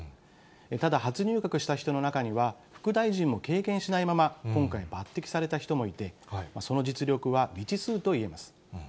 ただ、初入閣した人の中には、副大臣も経験しないまま、今回、抜てきされた人もいて、その実力は未知数といえます。